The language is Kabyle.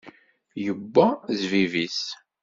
Iwwa zzbib-is.